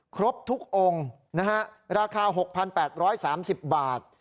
ครบทุกองค์นะฮะราคา๖๘๓๐บาท